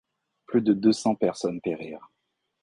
Plus de deux cents personnes périrent.